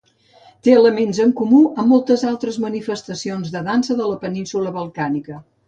Té elements en comú amb moltes altres manifestacions de dansa de la Península Balcànica.